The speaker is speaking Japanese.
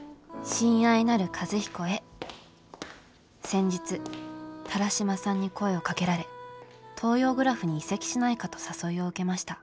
先日田良島さんに声をかけられ東洋グラフに移籍しないかと誘いを受けました」。